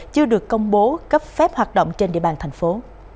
chưa được công bố cấp phép hoạt động trên địa bàn thành phố